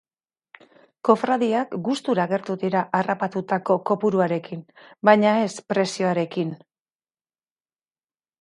Kofradiak gustura agertu dira harrapatutako kopuruarekin, baina ez prezioarekin.